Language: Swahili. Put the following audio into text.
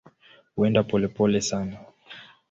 Huenda polepole sana.